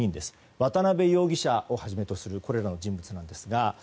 渡邉容疑者をはじめとするこれらの人物ですが。